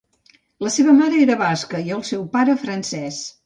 La seva mare era basca i el seu pare francès.